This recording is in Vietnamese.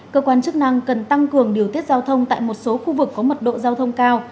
cơ quan chức năng cần tăng cường điều tiết giao thông tại một số khu vực có mật độ giao thông cao